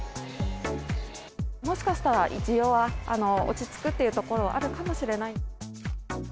もしかしたら需要は落ち着くっていうところはあるかもしれない。